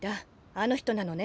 あの人なのね。